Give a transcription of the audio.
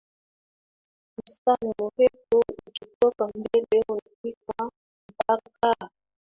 mstari mrefu ukitoka mbele unafika mpakaa